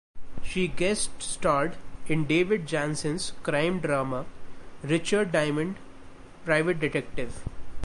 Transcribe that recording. She guest-starred in David Janssen's crime drama "Richard Diamond, Private Detective".